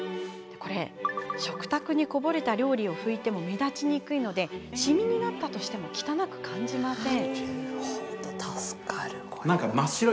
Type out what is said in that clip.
食卓にこぼれた料理を拭いても目立ちにくいのでしみになったとしても汚く感じません。